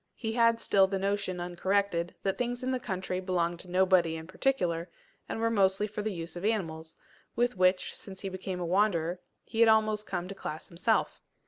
He had still the notion uncorrected, that things in the country belonged to nobody in particular, and were mostly for the use of animals, with which, since he became a wanderer, he had almost come to class himself.